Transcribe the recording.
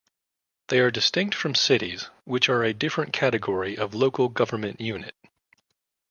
They are distinct from cities, which are a different category of local government unit.